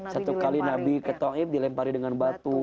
satu kali nabi ke taib dilempari dengan batu